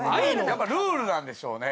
やっぱルールなんでしょうね。